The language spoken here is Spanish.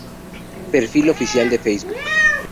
Perfil Oficial Facebook